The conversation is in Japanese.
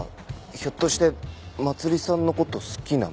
ひょっとしてまつりさんの事好きなの？